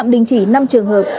đình chỉ năm trường hợp